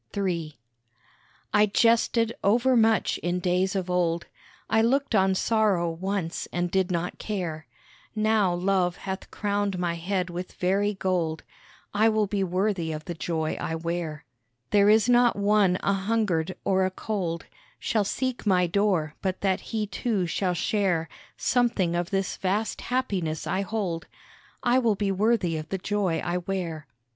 III I jested over much in days of old, I looked on sorrow once and did not care, Now Love hath crowned my head with very gold, I will be worthy of the joy I wear. There is not one a hungered or a cold Shall seek my door but that he too shall share Something of this vast happiness I hold; I will be worthy of the joy I wear.